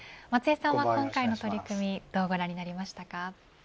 松江さんは今回の取り組みどうご覧になりましたか。